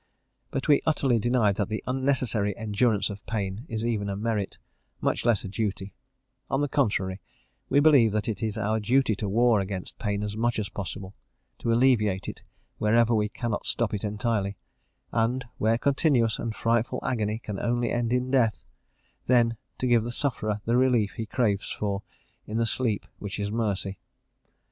But we utterly deny that the unnecessary endurance of pain is even a merit, much less a duty; on the contrary, we believe that it is our duty to war against pain as much as possible, to alleviate it wherever we cannot stop it entirely; and, where continuous and frightful agony can only end in death, then to give to the sufferer the relief he craves for, in the sleep which is mercy.